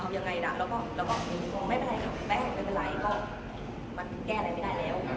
ยังไงยังแล้วก็มีเป็นไรมันแก้อะไรไม่ได้แล้ว